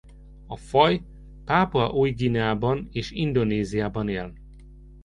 A faj Pápua Új-Guineában és Indonéziában él.